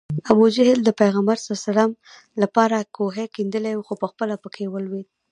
ابوجهل د پیغمبر ص لپاره کوهی کیندلی و خو پخپله پکې ولوېد